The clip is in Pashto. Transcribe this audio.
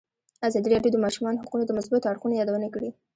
ازادي راډیو د د ماشومانو حقونه د مثبتو اړخونو یادونه کړې.